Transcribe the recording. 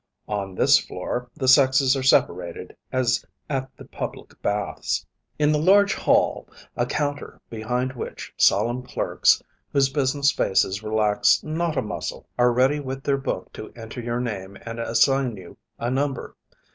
On this floor the sexes are separated as at the public baths. [Illustration: THE SAD EYED CLERK.] In the large hall, a counter behind which solemn clerks, whose business faces relax not a muscle, are ready with their book to enter your name and assign you a number.